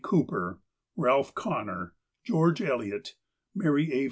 Cooper, Ealph Counor, George Eliot, Mary A.